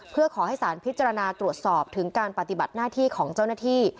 เพื่อขอให้สารพิจารณาตรวจสอบถึงการปฏิบัติหน้าที่ของเจ้าหน้าที่